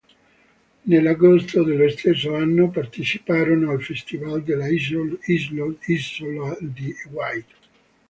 Nell'agosto dello stesso anno parteciparono al Festival dell'Isola di Wight.